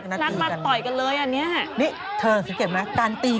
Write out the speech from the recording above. ไม่นัดตอยกันเลยอันนี้